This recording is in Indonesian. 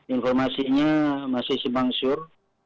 informasinya masih simpang syur